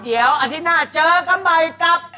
เดี๋ยวอาทิตย์หน้าเจอกันใหม่กับ